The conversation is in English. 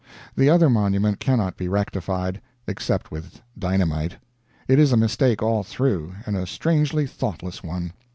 The other monument cannot be rectified. Except with dynamite. It is a mistake all through, and a strangely thoughtless one.